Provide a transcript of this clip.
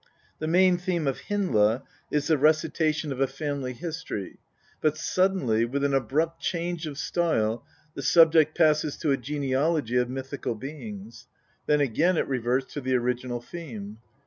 The main theme of Hyndla is the recitation of a family history, but suddenly, with an abrupt change of style, the subject passes to a genealogy of mythical beings; then again it reverts to the original theme.